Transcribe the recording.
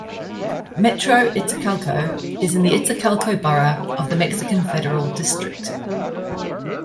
Metro Iztacalco is in the Iztacalco borough of the Mexican Federal District.